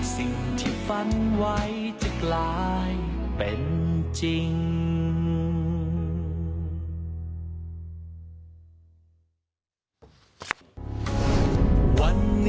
สิ่งที่ฝันไหว